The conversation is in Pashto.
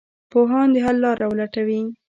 پوهان د حل لاره ولټوي.